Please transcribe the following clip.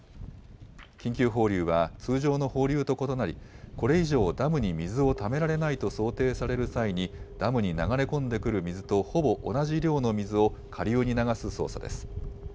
緊急放流は、通常の放流と異なり、これ以上、ダムに水をためられないと想定される際に、ダムに流れ込んでくる水とほぼ同じ量の水を下流に流す操作です。